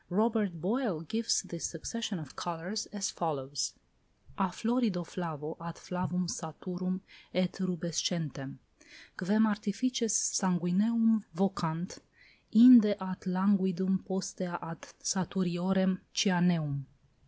Robert Boyle gives this succession of colours as follows: "A florido flavo ad flavum saturum et rubescentem (quem artifices sanguineum vocant) inde ad languidum, postea ad saturiorem cyaneum."